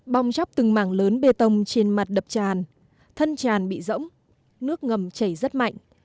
bong chóc từng mảng lớn bê tông trên mặt đập tràn thân tràn bị rỗng nước ngầm chảy rất mạnh